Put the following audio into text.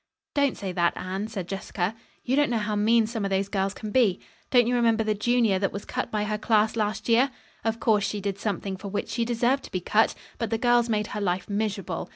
"Don't say that Anne," said Jessica. "You don't know how mean some of those girls can be. Don't you remember the junior that was cut by her class last year? Of course, she did something for which she deserved to be cut, but the girls made her life miserable.